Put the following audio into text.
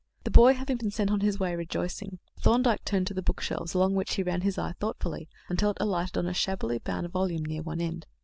The boy having been sent on his way rejoicing, Thorndyke turned to the bookshelves, along which he ran his eye thoughtfully until it alighted on a shabbily bound volume near one end.